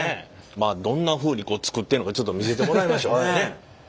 まあどんなふうに作ってるのかちょっと見せてもらいましょう。